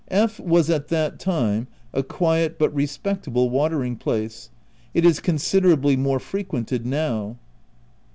(F was at that time a quiet but respectable watering place : it is considerably more frequented now).